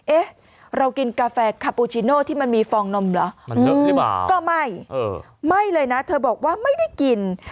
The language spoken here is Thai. เอ๊ะเรากินกาแฟคาปูชิโน่ที่มันมีฟองนมเหรอก็ไม่ไม่เลยนะเธอบอกว่าไม่ได้กิน